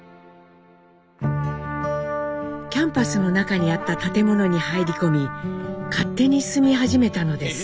キャンパスの中にあった建物に入り込み勝手に住み始めたのです。